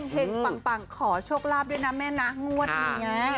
เห็งปังขอโชคลาภด้วยนะแม่นะงวดนี้